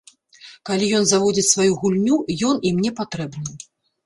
Калі ён заводзіць сваю гульню, ён ім не патрэбны.